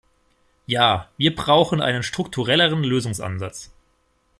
Ja, wir brauchen einen strukturelleren Lösungsansatz.